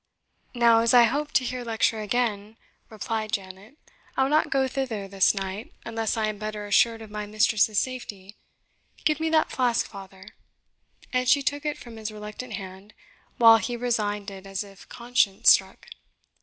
"Now, as I hope to hear lecture again," replied Janet, "I will not go thither this night, unless I am better assured of my mistress's safety. Give me that flask, father" and she took it from his reluctant hand, while he resigned it as if conscience struck.